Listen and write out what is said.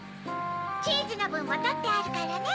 チーズのぶんもとってあるからね。